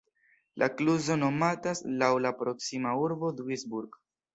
La kluzo nomatas laŭ la proksima urbo Duisburg.